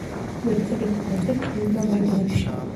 د زده کړې په پروسه کې خنډونه باید لیرې سي.